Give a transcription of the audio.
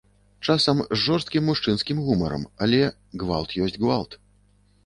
Часам з жорсткім мужчынскім гумарам, але гвалт ёсць гвалт.